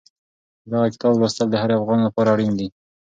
د دغه کتاب لوستل د هر افغان لپاره اړین دي.